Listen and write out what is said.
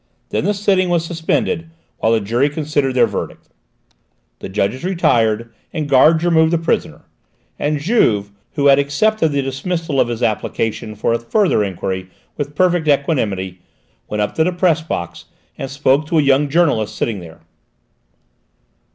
Then the sitting was suspended while the jury considered their verdict. The judges retired and guards removed the prisoner, and Juve, who had accepted the dismissal of his application for a further enquiry with perfect equanimity, went up to the press box and spoke to a young journalist sitting there.